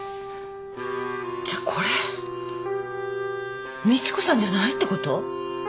じゃこれ美知子さんじゃないってこと？